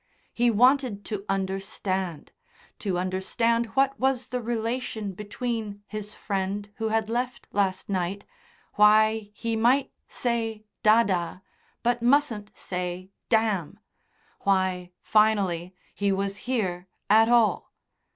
He wanted to understand to understand what was the relation between his friend who had left last night, why he might say "dada," but mustn't say "damn," why, finally, he was here at all.